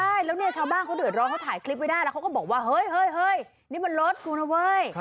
ใช่แล้วเนี่ยชาวบ้านเขาเดือดร้อนเขาถ่ายคลิปไว้ได้แล้วเขาก็บอกว่าเฮ้ยนี่มันรถกูนะเว้ย